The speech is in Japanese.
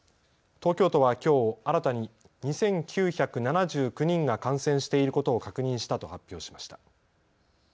東京都はきょう新たに２９７９人が感染していることを確認したと発表しました。